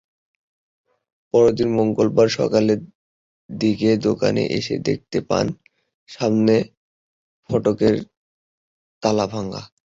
পরদিন মঙ্গলবার সকালের দিকে দোকানে এসে দেখতে পান, সামনে ফটকের তালা ভাঙা।